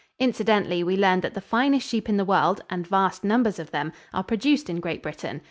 Incidentally we learned that the finest sheep in the world and vast numbers of them are produced in Great Britain.